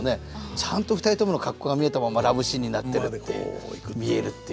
ちゃんと２人ともの格好が見えたままラブシーンになってるっていう見えるっていう。